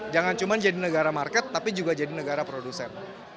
jangan cuma jadi negara market tapi juga jadi negara produsen